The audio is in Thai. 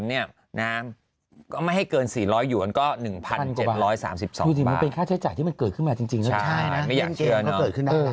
เกมเนี่ยน้ำก็ไม่ให้เกิน๔๐๐หยุดก็๑๗๓๒บาทจากที่มันเกิดขึ้นมาจริงใช่นะไม่อยากเชื่อ